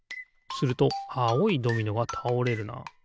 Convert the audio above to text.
するとあおいドミノがたおれるな。